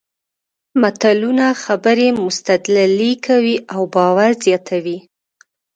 متلونه خبرې مستدللې کوي او باور زیاتوي